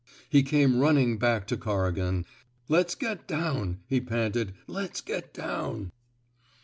He came running back to Corrigan. Let's get down,*' he panted. Let's get down."